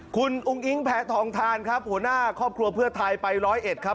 คุณอุ้งอิงแพทองทานครับหัวหน้าครอบครัวเพื่อไทยไปร้อยเอ็ดครับ